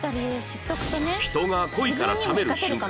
人が恋から冷める瞬間